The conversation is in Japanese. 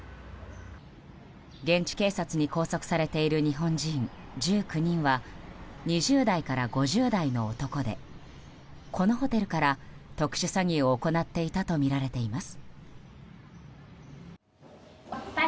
現地警察に拘束されている日本人１９人は２０代から５０代の男でこのホテルから特殊詐欺を行っていたとみられています。